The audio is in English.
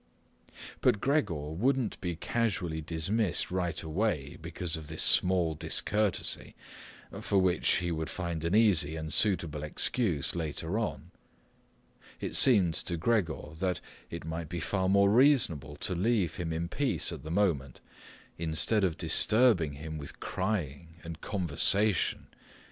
But Gregor wouldn't be casually dismissed right way because of this small discourtesy, for which he would find an easy and suitable excuse later on. It seemed to Gregor that it might be far more reasonable to leave him in peace at the moment, instead of disturbing him with crying and conversation.